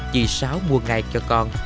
chị sáu mua ngay cho con